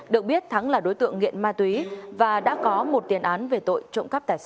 được biết thắng là đối tượng nghiện ma túy và đã có một tiền án về tội trộm cắp tài sản